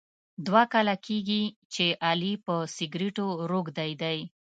دوه کاله کېږي چې علي په سګرېټو روږدی دی.